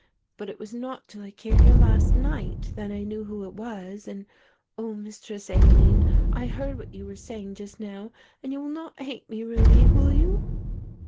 But it was not till I came here last night that I knew who it was and, oh, Mistress Aline, I heard what you were saying just now and you will not hate me really, will you?"